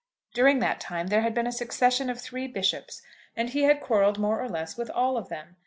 During that time there had been a succession of three bishops, and he had quarrelled more or less with all of them.